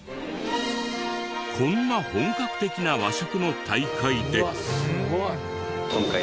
こんな本格的な和食の大会で。